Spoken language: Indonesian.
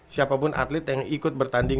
siapapun atlet yang ikut bertanding